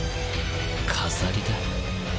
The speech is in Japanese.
飾りだ。